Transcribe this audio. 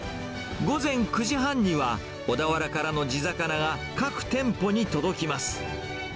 午前９時半には、小田原からの地魚が各店舗に届きます。